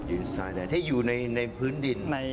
อินสายเดงที่อยู่ในพื้นดิน